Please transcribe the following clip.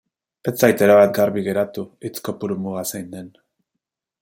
Ez zait erabat garbi geratu hitz kopuru muga zein den.